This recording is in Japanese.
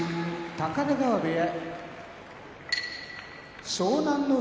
高田川部屋